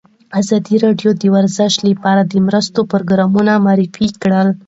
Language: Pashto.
ازادي راډیو د ورزش لپاره د مرستو پروګرامونه معرفي کړي.